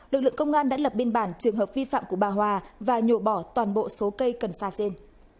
lực lượng công an đã lập biên bản trường hợp vi phạm của bà hòa và nhổ bỏ toàn bộ số cây cần sa trên